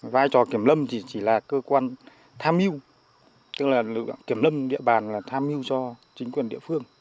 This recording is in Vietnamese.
vai trò kiểm lâm thì chỉ là cơ quan tham hiu tức là lực lượng kiểm lâm địa bàn là tham mưu cho chính quyền địa phương